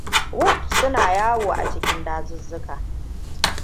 Wolves suna yawo a cikin dazuzzuka.